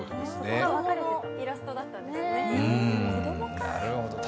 子供のイラストだったんですね。